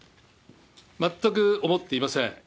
全く思っていません。